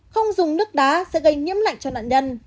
không dùng nước đá sẽ gây nhiễm lạnh cho nạn nhân